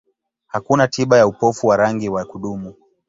Hakuna tiba ya upofu wa rangi wa kudumu.